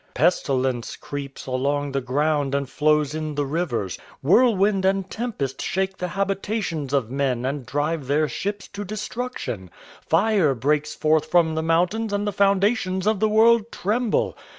Pestilence creeps along the ground and flows in the rivers; whirlwind and tempest shake the habitations of men and drive their ships to destruction; fire breaks forth from the mountains and the foundations of the world tremble.